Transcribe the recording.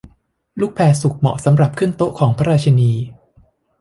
ลูกแพร์สุกเหมาะสำหรับขึ้นโต๊ะของพระราชินี